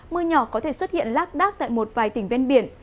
mưa nhỏ có thể xuất hiện lác đác tại một vài tỉnh ven biển